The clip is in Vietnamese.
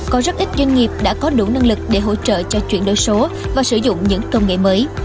có rất ít doanh nghiệp đã có đủ năng lực để hỗ trợ cho chuyển đổi số và sử dụng những công nghệ mới